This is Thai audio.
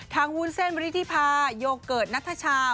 ทางหุนเซ็นบริธีพาโยเกิร์ตนาทชา